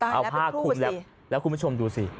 เอาผ้าคุมแล้วแล้วคุณผู้ชมดูสิ